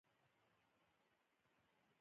زه د جملو املا پر وخت سم لیکم.